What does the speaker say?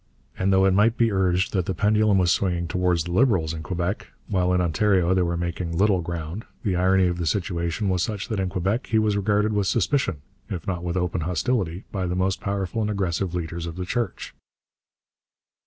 And though it might be urged that the pendulum was swinging toward the Liberals in Quebec, while in Ontario they were making little ground, the irony of the situation was such that in Quebec he was regarded with suspicion, if not with open hostility, by the most powerful and aggressive leaders of the Church.